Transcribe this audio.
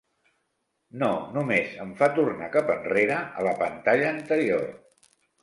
No, només em fa tornar cap enrere a la pantalla anterior.